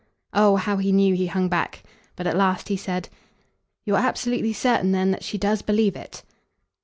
Oh how he knew he hung back! But at last he said: "You're absolutely certain then that she does believe it?"